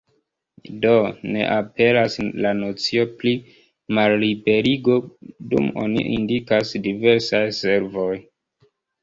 Do, ne aperas la nocio pri malliberigo, dum oni indikas "diversaj servoj".